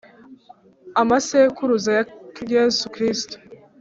Amasekuruza ya Yesu Kristo